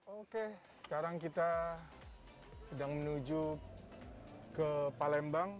oke sekarang kita sedang menuju ke palembang